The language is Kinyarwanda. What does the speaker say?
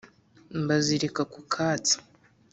mbazirika ku katsi